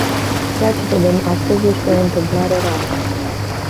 Ceea ce vedem astăzi este o întâmplare rară.